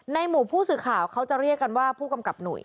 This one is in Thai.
หมู่ผู้สื่อข่าวเขาจะเรียกกันว่าผู้กำกับหนุ่ย